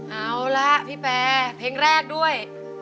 เอาละพี่แปรเพลงแรกด้วย